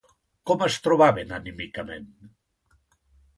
Com es trobaven anímicament?